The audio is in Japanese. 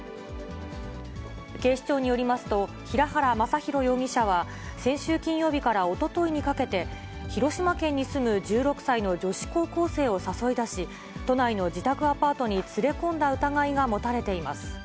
警視庁によりますと、平原匡浩容疑者は、先週金曜日からおとといにかけて、広島県に住む１６歳の女子高校生を誘い出し、都内の自宅アパートに連れ込んだ疑いが持たれています。